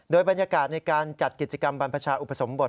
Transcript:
โดยบรรยากาศในการจัดกิจกรรมบรรพชาอุปสมบท